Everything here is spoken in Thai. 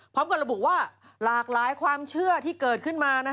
พร้อมกับระบุว่าหลากหลายความเชื่อที่เกิดขึ้นมา